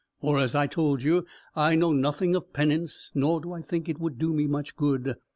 For, as I told you, I know nothing of penance, nor do I think it would do me much good.